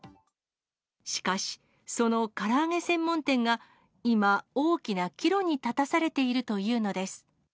しかし、そのから揚げ専門店が今、大きな岐路に立たされているというのです。